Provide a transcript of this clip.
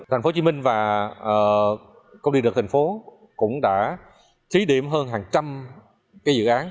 thành phố hồ chí minh và công ty được thành phố cũng đã thí điểm hơn hàng trăm dự án